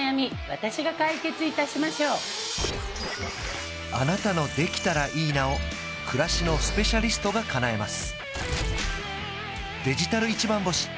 私が解決いたしましょうあなたの「できたらいいな」を暮らしのスペシャリストがかなえます